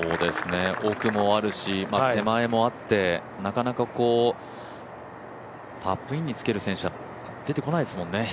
奥もあるし手前もあってなかなか、タップインにつける選手は出てこないですね。